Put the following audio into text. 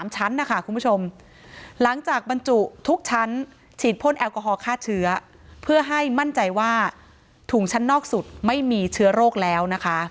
ชั้นนะคะคุณผู้ชมหลังจากบรรจุทุกชั้นฉีดพ่นแอลกอฮอลฆ่าเชื้อเพื่อให้มั่นใจว่าถุงชั้นนอกสุดไม่มีเชื้อโรคแล้วนะคะ